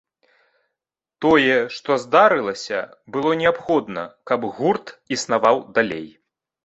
Тое, што здарылася, было неабходна, каб гурт існаваў далей.